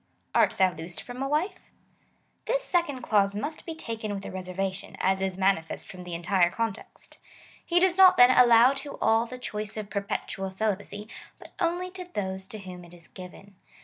Art thou loosed from a wife ? This second clause must be taken with a reservation, as is manifest from the entire context. He does not, then, allow to all the choice of per petual celibacy, but only to those to whom it is given.